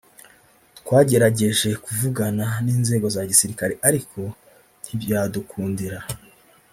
twagerageje kuvugana n’inzego za gisirikare ariko ntibyadukundira